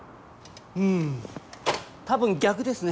うん多分逆ですね。